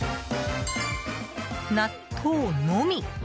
納豆のみ。